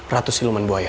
ratu siluman buaya